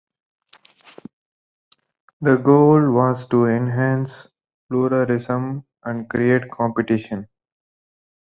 The goal was to enhance pluralism and create competition.